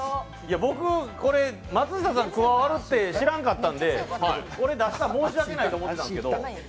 僕、松下さん加わるって知らなかったんで、これ出したら申し訳ないって思ってたんですけど。